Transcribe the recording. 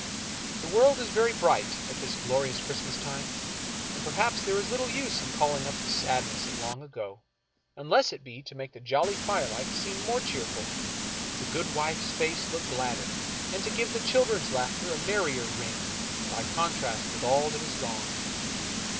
The world is very bright at this glorious Christmas time, and perhaps there is little us^ in calling up the sadness of long ago, unless it be to make the jolly firelight seem more cheerful, the good wife's face look gladder, and to give the children's laughter a merrier ring, by contrast with all that is gone.